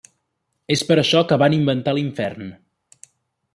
És per això que van inventar l'infern.